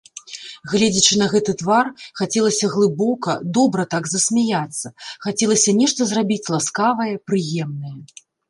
Гледзячы на гэты твар, хацелася глыбока, добра так засмяяцца, хацелася нешта зрабіць ласкавае, прыемнае.